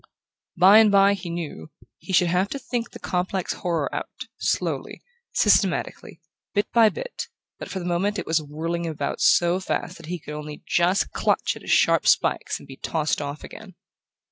By and bye, he knew, he should have to think the complex horror out, slowly, systematically, bit by bit; but for the moment it was whirling him about so fast that he could just clutch at its sharp spikes and be tossed off again.